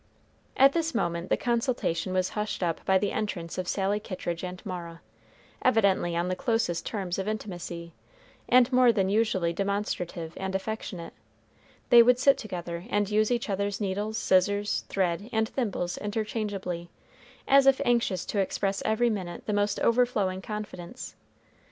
At this moment the consultation was hushed up by the entrance of Sally Kittridge and Mara, evidently on the closest terms of intimacy, and more than usually demonstrative and affectionate; they would sit together and use each other's needles, scissors, thread, and thimbles interchangeably, as if anxious to express every minute the most overflowing confidence.